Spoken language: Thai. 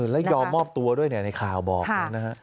แล้วยอมมอบตัวด้วยในข่าวบอกนะฮะ